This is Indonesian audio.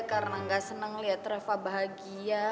karena gak senang liat reva bahagia